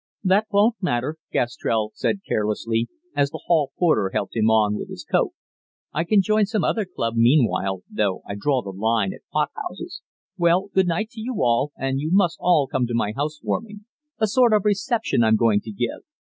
"That won't matter," Gastrell said carelessly, as the hall porter helped him on with his coat. "I can join some other club meanwhile, though I draw the line at pot houses. Well, good night to you all, and you must all come to my house warming a sort of reception I'm going to give.